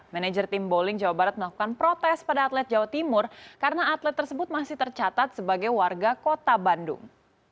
manajer tim bowling jawa barat melakukan protes pada atlet jawa timur karena atlet tersebut masih tercatat sebagai warga kota bandung